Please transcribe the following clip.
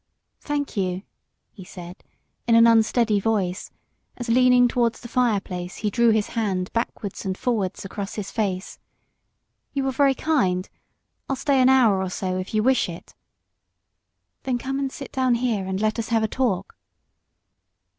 "Thank you," he said, in an unsteady voice, as leaning against the fire place he drew his hand backwards and forwards across his face: "you are very kind; I'll stay an hour or so, if you wish it." "Then come and sit down here, and let us have a talk."